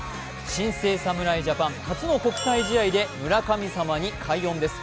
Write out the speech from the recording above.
新生侍ジャパン、初の国際試合で村神様に快音です。